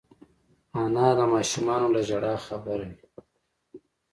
انا د ماشومانو له ژړا خبروي